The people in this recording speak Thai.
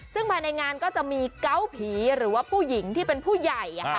ซึ่งภายในงานก็จะมีเกาะผีหรือว่าผู้หญิงที่เป็นผู้ใหญ่